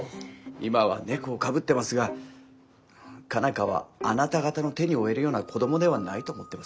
今は猫をかぶってますが佳奈花はあなた方の手に負えるような子どもではないと思っています。